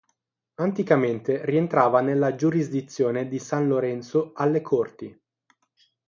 Anticamente rientrava nella giurisdizione di San Lorenzo alle Corti.